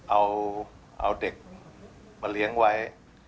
เอาเด็กมาเลี้ยงไว้